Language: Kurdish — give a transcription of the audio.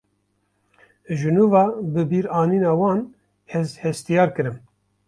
Ji nû ve bibîranîna wan, ez hestyar kirim